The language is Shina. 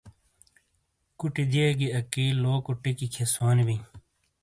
کوٹی دِئیے گی اَکی لوکو ٹِیکی کھِیئے سونی بِیں ۔